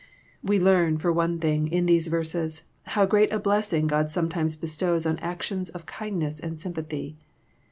~ We learn, for one thing, in these verses, how great a blessing Odd sometimes bestows on actions of kindness and sympathy.